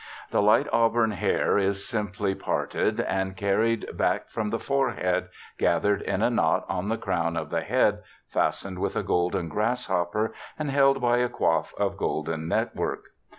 The light auburn hair is simply parted and carried back from the forehead, gathered in a knot on the crown of the head, fastened with a golden grasshopper, and held by a coif of golden network.